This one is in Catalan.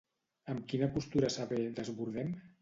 Amb quina postura s'avé Desbordem?